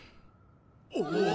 おお！